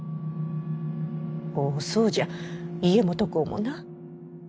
おおそうじゃ家基公もな。